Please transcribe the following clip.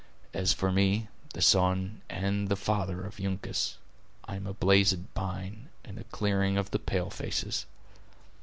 As for me, the son and the father of Uncas, I am a blazed pine, in a clearing of the pale faces.